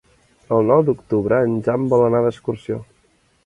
El nou d'octubre en Jan vol anar d'excursió.